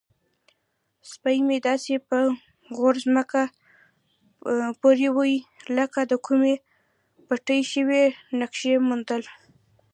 سپی مې داسې په غور ځمکه بویوي لکه د کومې پټې شوې نقشې موندل.